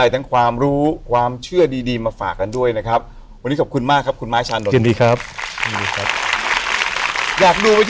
อยากดูไปที่ไหนได้นะเนี่ย